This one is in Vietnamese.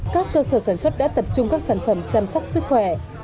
các cơ sở sản xuất đã tập trung các sản phẩm chăm sóc sức khỏe